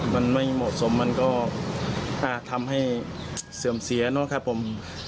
มันไม่เหมาะสมมันก็ทำให้เสื่อมเสียเนาะครับผม